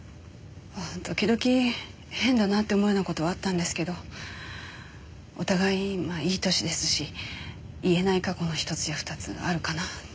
時々変だなって思うような事はあったんですけどお互いまあいい年ですし言えない過去の１つや２つあるかなあって。